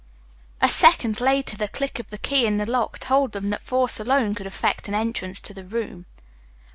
A second later the click of the key in the lock told them that force alone could effect an entrance to the room.